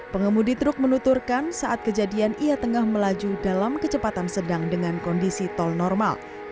pengemudi truk menuturkan saat kejadian ia tengah melaju dalam kecepatan sedang dengan kondisi tol normal